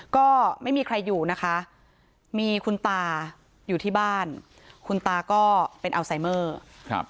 ก็ไม่มีใครอยู่นะคะมีคุณตาอยู่ที่บ้านคุณตาก็เป็นอัลไซเมอร์ครับ